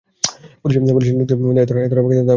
পুলিশের লোকদের মধ্যে এতটা আবেগ থাকে, তা নিসার আলি ভাবেন নি।